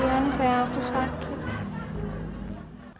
kesian sayang aku sakit